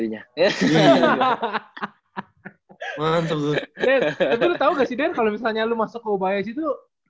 dan lu tau gak sih den kalau misalnya lu masuk ke ubaya disitu